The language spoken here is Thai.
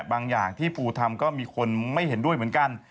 อย่างที่ปูทำก็มีคนไม่เห็นด้วยเหมือนกัน